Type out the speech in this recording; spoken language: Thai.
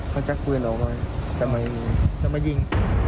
เขาชักปืนออกมาจะมายิง